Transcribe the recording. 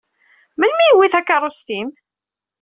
Melmi i yewwi takeṛṛust-im?